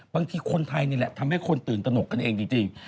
บางทีคนไทยนี่แหละทำให้คนตื่นตนกกันเองจริง